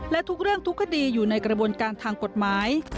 และทุกเรื่องทุกคดีอยู่ในกระบวนการทางกฎหมาย